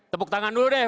tepuk tangan dulu deh